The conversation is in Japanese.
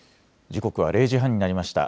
時刻は０時半になりました。